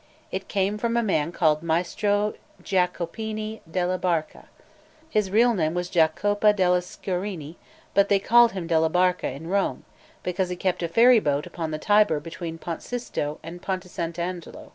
It came from a man called Maestro Giacopino della Barca. His real name was Giacopo della Sciorina, but they called him della Barca in Rome, because he kept a ferry boat upon the Tiber between Ponte Sisto and Ponte Santo Agnolo.